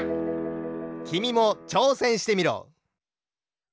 きみもちょうせんしてみろ。